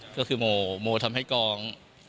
ก็คือโมโมทำให้กอง